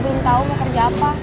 belum tahu mau kerja apa